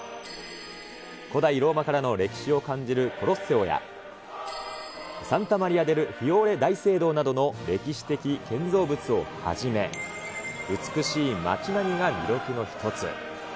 古代ローマからの歴史を感じるコロッセオや、サンタ・マリア・デル・フィオーレ大聖堂などの歴史的建造物をはじめ、美しい街並みが魅力の一つ。